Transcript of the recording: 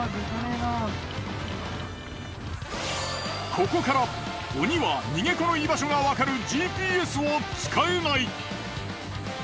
ここから鬼は逃げ子の居場所がわかるＧＰＳを使えない！